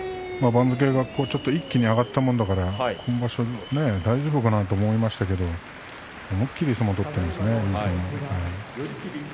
番付が一気に上がったもんだから今場所大丈夫かなと思いましたけれども思い切った相撲を取ってますよね。